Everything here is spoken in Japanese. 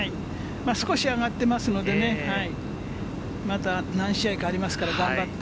少し上がってますのでね、また何試合かありますから、頑張って。